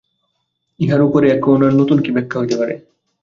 ইহার উপরে এখন আর নূতন ব্যাখ্যা কী হইতে পারে?